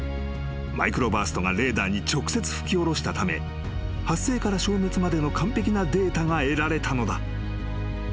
［マイクロバーストがレーダーに直接吹き降ろしたため発生から消滅までの完璧なデータが得られたのだ］